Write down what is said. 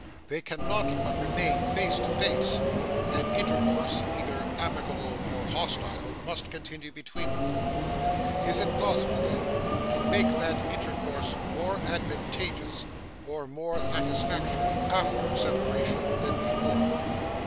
They can not but remain face to face, and intercourse, either amicable or hostile, must continue between them, Is it possible, then, to make that intercourse more advantageous or more satisfactory after separation than before?